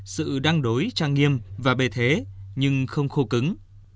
sự đang đối trang nghiêm và bề thế nhưng không khô cứng